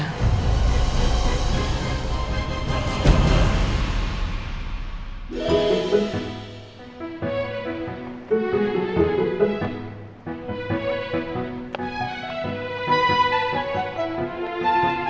kau bisa bisa berubah